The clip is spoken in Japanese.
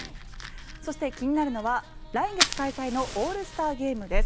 そして、気になるのは来月開催のオールスターゲームです。